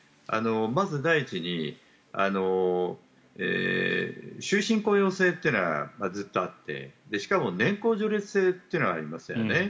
まず第一に終身雇用制というのはずっとあってしかも年功序列制というのがありますよね。